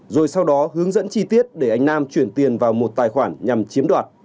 rồi sau đó hướng dẫn chi tiết để anh nam chuyển tiền vào một tài khoản nhằm chiếm đoạt